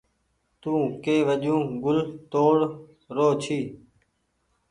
تو ڪي وجون گل توڙ رو ڇي۔